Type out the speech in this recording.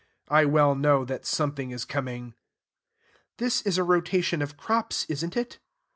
I well know that something is coming. "This is a rotation of crops, is n't it?"